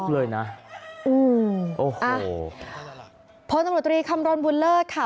ลุกเลยนะ